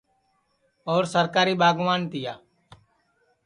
اور سرکاری ٻاگوان تِیا